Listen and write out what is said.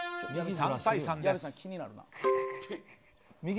３対３です。